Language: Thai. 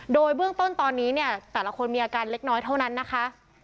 โดยเบื้องต้นตอนนี้เนี่ยแต่ละคนมีอาการเล็กน้อยเท่านั้นนะคะ